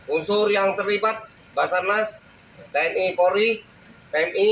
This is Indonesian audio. unsur yang terlibat basarnas tni polri pmi